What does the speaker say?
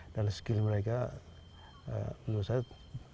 dan skill mereka menurut saya